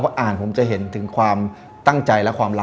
แต่ง่ายดีเราจะเห็นหมดในนี้ครับ